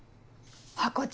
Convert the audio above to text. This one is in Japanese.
ハコ長。